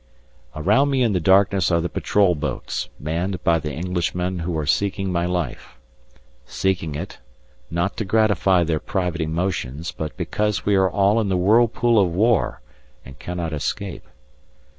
Around me in the darkness are the patrol boats, manned by the Englishmen who are seeking my life. Seeking it, not to gratify their private emotions, but because we are all in the whirlpool of War and cannot escape.